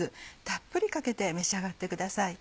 たっぷりかけて召し上がってください。